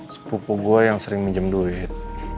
sepupu gue yang sering minjem duit